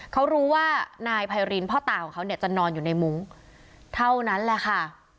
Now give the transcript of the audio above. เขารู้ว่านายไพรินพ่อตาของเขาเนี่ยจะนอนอยู่ในมุ้งเท่านั้นแหละค่ะ